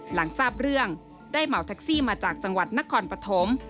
หลังทราบเรื่องได้เหมาแท็กซี่มาจากจังหวัดนครปฐม